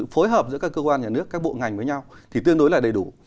phối hợp giữa các cơ quan nhà nước các bộ ngành với nhau thì tương đối là đầy đủ